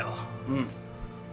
⁉うん。